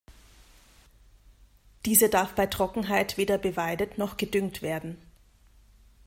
Diese darf bei Trockenheit weder beweidet noch gedüngt werden.